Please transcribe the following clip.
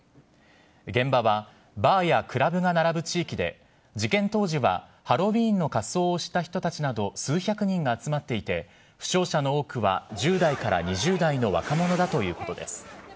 現場は、バーやクラブが並ぶ地域で、事件当時はハロウィーンの仮装をした人たちなど、数百人が集まっていて、負傷者の多くは１０代から２０代の若者だということです。